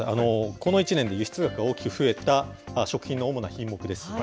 この１年で輸出額が大きく増えた食品の主な品目です。